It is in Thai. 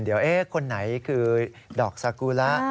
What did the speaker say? เดี๋ยวคนไหนคือดอกสากุระ